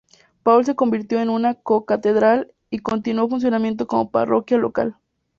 Paul se convirtió en una co-catedral y continuó funcionando como parroquia local.